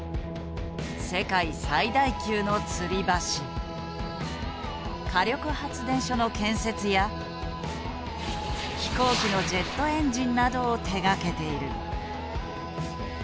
世界最大級のつり橋火力発電所の建設や飛行機のジェットエンジンなどを手がけている。